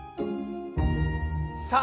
さあ！